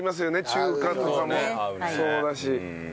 中華とかもそうだし。